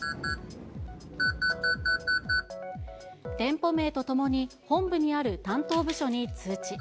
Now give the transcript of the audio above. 店舗名とともに本部にある担当部署に通知。